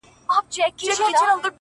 تا څه کوئ اختر د بې اخترو په وطن کي;